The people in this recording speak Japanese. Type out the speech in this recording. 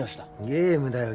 ゲームだよ